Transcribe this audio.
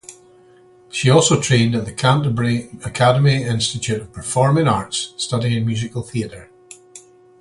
She also trained at The Canterbury Academy institute of Performing Arts studying musical theatre.